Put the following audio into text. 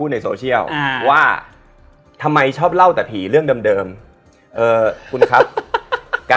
เดี๋ยวก็ไม่ได้ลืมตา